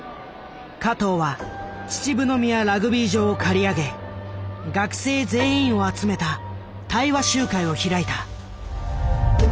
加藤は秩父宮ラグビー場を借り上げ学生全員を集めた対話集会を開いた。